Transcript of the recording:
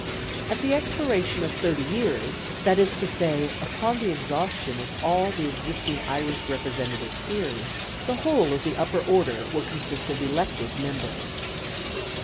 At the expiration of thirty years, that is to say, upon the exhaustion of all the existing Irish representative peers, the whole of the upper order will consist of elective members.